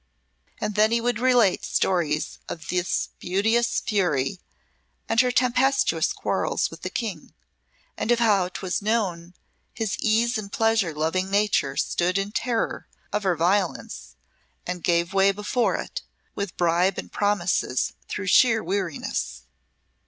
And then he would relate stories of this beauteous fury, and her tempestuous quarrels with the King, and of how 'twas known his ease and pleasure loving nature stood in terror of her violence and gave way before it with bribes and promises through sheer weariness.